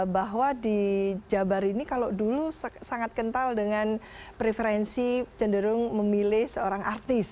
bahwa di jabar ini kalau dulu sangat kental dengan preferensi cenderung memilih seorang artis